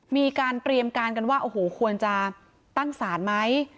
มีการเตรียมการกันว่าโอ้โหควรจะตั้งศาลไหม